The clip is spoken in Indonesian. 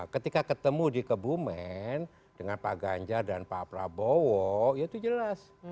ketika ketemu di kebumen dengan pak ganjar dan pak prabowo ya itu jelas